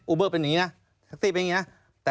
อูเบอร์เป็นอย่างนี้นะ